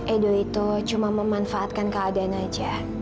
edo itu cuma memanfaatkan keadaan aja